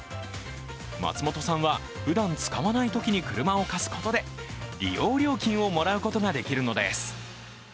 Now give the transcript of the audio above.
松本さんはふだん使わないときに車を貸すことで利用料金をもらうことができるのです。